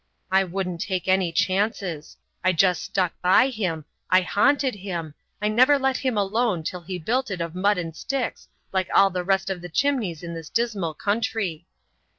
I wouldn't take any chances. I just stuck by him I haunted him I never let him alone till he built it of mud and sticks like all the rest of the chimneys in this dismal country.